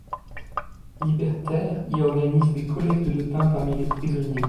Libertaire y organise des collectes de pain parmi les prisonniers.